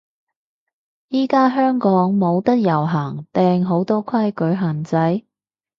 依家香港冇得遊行定好多規矩限制？